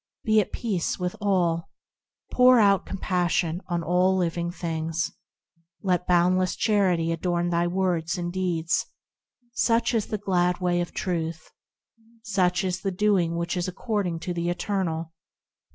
Be at peace with all; Pour out compassion on all living things; Let boundless charity adorn thy words and deeds– Such is the glad way of Truth. Such is the doing which is according to the Eternal.